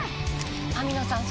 網野さん